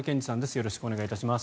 よろしくお願いします。